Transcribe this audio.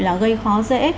là gây khó dễ